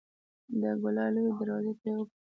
د کلا لويي دروازې ته يې وکتل.